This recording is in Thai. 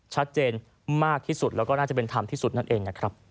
ชัดเจนมากที่สุดแล้วก็น่าจะเป็นธรรมที่สุดนั่นเองนะครับ